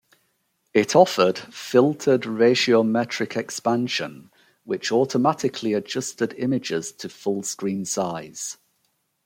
It offered "Filtered Ratiometric Expansion", which automatically adjusted images to full-screen size.